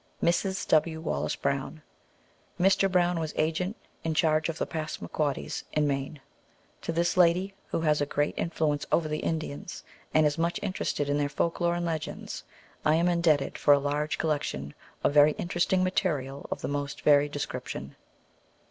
Mrs. W. Wallace Brown. Mr. Brown was agent in charge of x A UTHORITIES. the Passamaquoddies in Maine. To this lady, who has a great influence over the Indians, and is much interested in their folk lore and legends, I am indebted for a large collection of very in teresting material of the most varied description.